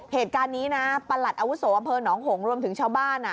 เหตุการณ์นี้นะประหลัดอาวุโสอำเภอหนองหงรวมถึงชาวบ้าน